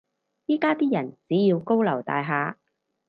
依家啲人只要高樓大廈